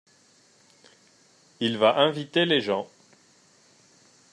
Il va inviter les gens.